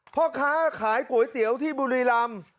พ่อค้าขายก๋วยเตี๋ยวที่บุรีรำ